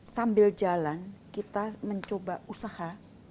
sambil jalan kita mencoba usaha